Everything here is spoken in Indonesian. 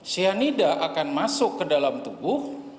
cyanida akan masuk ke dalam tubuh